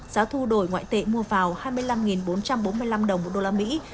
giá thu đổi ngoại tệ mua vào hai mươi năm bốn trăm bốn mươi năm đồng một đô la mỹ